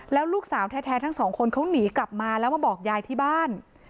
แล้วลูกสาวแท้ทั้งสองคนเขาหนีกลับมาแล้วมาบอกยายที่บ้าน